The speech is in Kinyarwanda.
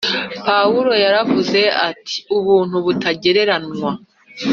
Pawulo yaravuze ati “ubuntu butagereranywa